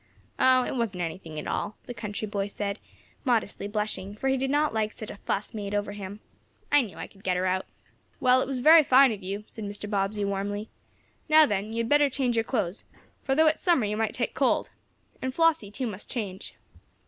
"Oh, it wasn't anything at all," the country boy said, modestly blushing, for he did not like such a "fuss" made over him. "I knew I could get her out." "Well, it was very fine of you," said Mr. Bobbsey, warmly. "Now then, you had better change your clothes, for, though it is summer, you might take cold. And Flossie, too, must change."